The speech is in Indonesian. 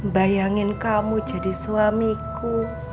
bayangin kamu jadi suamiku